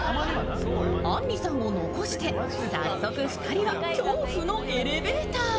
あんりさんを残して早速２人は恐怖のエレベーターへ。